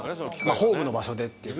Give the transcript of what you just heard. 「ホームの場所でっていうか」